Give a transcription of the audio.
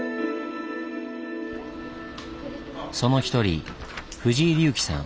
その一人藤井龍生さん。